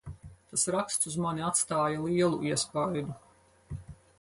Tas raksts uz mani atstāja lielu iespaidu.